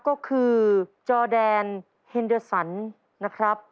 ก็คือจอแดนเฮนเดอร์สันนะครับ